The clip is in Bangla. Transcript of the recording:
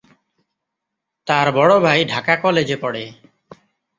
তার বড় ভাই ঢাকা কলেজে পড়ে।